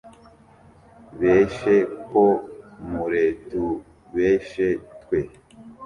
Beshe ko muretubeshe, twe